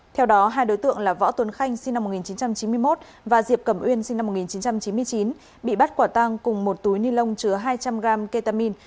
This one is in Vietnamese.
theo đó hai đối tượng là võ tuấn khanh sinh năm một nghìn chín trăm chín mươi một và diệp cẩm uyên sinh năm một nghìn chín trăm chín mươi chín bị bắt quả tang cùng một túi ni lông chứa hai trăm linh gram ketamine